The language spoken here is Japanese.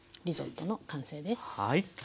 リゾットの完成です。